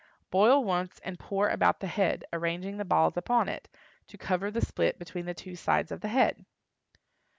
Boil once and pour about the head, arranging the balls upon it, to cover the split between the two sides of the head.